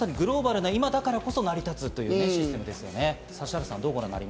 グローバルな今だからこそ成り立つということですよね、指原さん。